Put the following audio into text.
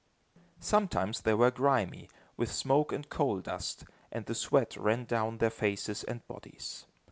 Sometimes they were grimy, with smoke and coal dust, and the sweat ran down their faces and bodies.